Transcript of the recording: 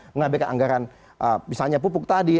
mengabaikan anggaran misalnya pupuk tadi